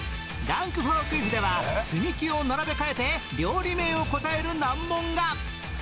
ランク４クイズでは積み木を並べ替えて料理名を答える難問が